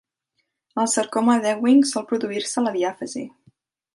El sarcoma d'Ewing sol produir-se a la diàfisi.